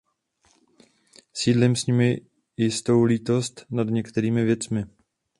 Sdílím s nimi jistou lítost nad některými věcmi.